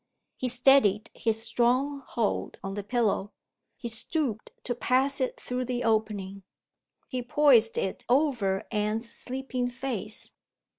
He steadied his strong hold on the pillow. He stooped to pass it through the opening. He poised it over Anne's sleeping face.